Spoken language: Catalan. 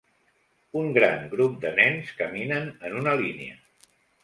Un gran grup de nens caminen en una línia.